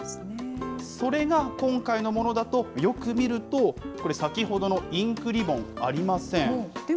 それが今回のものだと、よく見ると、これ、先ほどのインクリボン、ありません。